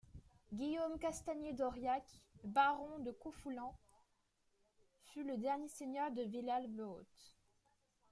Guillaume Castanier d’Auriac, baron de couffoulens, fut le dernier seigneur de Villalbe-Haute.